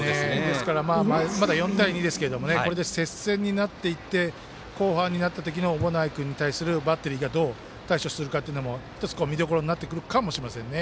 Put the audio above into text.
ですからまだ４対２ですけどこれで接戦になっていって後半になったときの小保内君に対するバッテリーがどう対処するかというのも１つ見どころになってくるかもしれませんね。